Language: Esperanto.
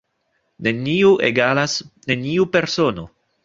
Neniu = neniu persono.